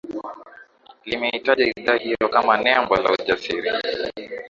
limeitaja idhaa hiyo kama nembo la ujasiri